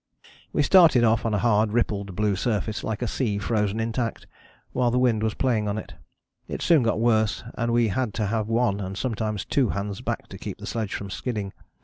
"We started off on a hard rippled blue surface like a sea frozen intact while the wind was playing on it. It soon got worse and we had to have one and sometimes two hands back to keep the sledge from skidding.